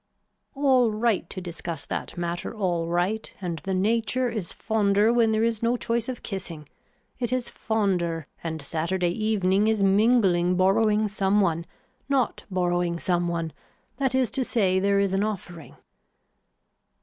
All right to discuss that matter all right and the nature is fonder when there is no choice of kissing. It is fonder and Saturday evening is mingling borrowing some one, not borrowing some one, that is to say there is an offering.